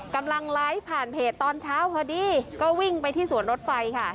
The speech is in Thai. กำลังไลฟ์ผ่านเพจตอนเช้าพอดีก็วิ่งไปที่สวนรถไฟค่ะ